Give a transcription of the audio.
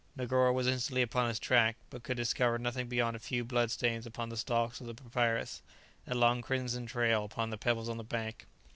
Negoro was instantly upon his track, but could discover nothing beyond a few blood stains upon the stalks of the papyrus, and a long crimson trail upon the pebbles on the bank.